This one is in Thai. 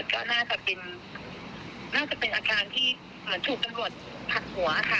ก็น่าจะเป็นน่าจะเป็นอาการที่เหมือนถูกตำรวจผลักหัวค่ะ